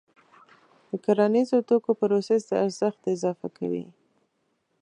د کرنیزو توکو پروسس د ارزښت اضافه کوي.